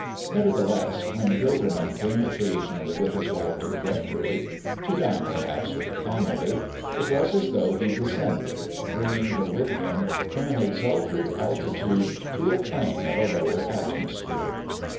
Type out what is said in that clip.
Nevertheless, when Gilderman came occasionally with his wife to the rectory to dine, perhaps, with the family it was as though he descended, bringing her with him, from an exalted altitude to a plane of a lower atmosphere.